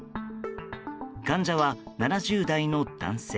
患者は７０代の男性。